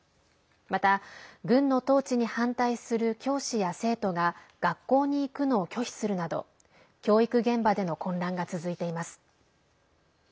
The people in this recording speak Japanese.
また軍の統治に反対する教師や生徒が学校に行くのを拒否するなど教育現場での混乱が続いています。